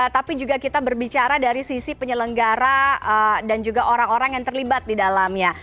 tapi juga kita berbicara dari sisi penyelenggara dan juga orang orang yang terlibat di dalamnya